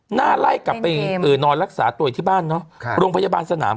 หน้าไล่กลับไปนอนรักษาตัวอยู่ที่บ้านเนาะโรงพยาบาลสนาม